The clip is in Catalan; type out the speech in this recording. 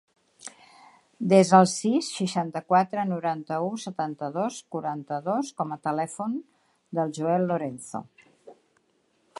Desa el sis, seixanta-quatre, noranta-u, setanta-dos, quaranta-dos com a telèfon del Joel Lorenzo.